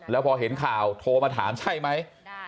แล้วพอเห็นข่าวโทรมาถามใช่ไหม